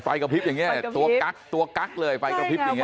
กระพริบอย่างนี้ตัวกั๊กตัวกั๊กเลยไฟกระพริบอย่างนี้